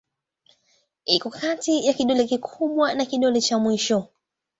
Iko kati ya kidole kikubwa na kidole cha mwisho.